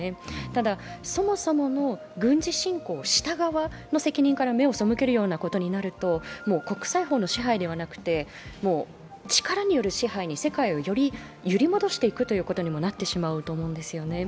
ただ、そもそもの軍事侵攻した側の責任から目をそむけるようなことになると国際法の支配ではなくて、力による支配に世界をより揺り戻していくことになってしまうと思うんですよね。